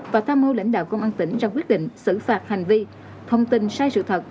và tham mưu lãnh đạo công an tỉnh ra quyết định xử phạt hành vi thông tin sai sự thật